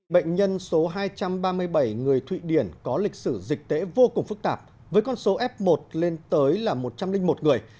bệnh nhân số hai trăm ba mươi bảy người thụy điển có lịch sử dịch tễ vô cùng phức tạp với con số f một lên tới là một trăm linh một người